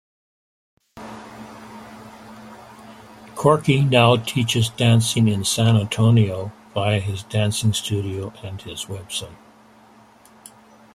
Corky now teaches dancing in San Antonio via his dancing studio, and his website.